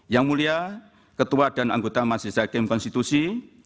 yang mulia ketua dan anggota masjid zahid tim konstitusi